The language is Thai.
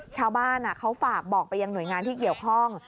ชาวบ้านเขาฝากบอกไปยังหน่วยงานที่เกี่ยวข้อง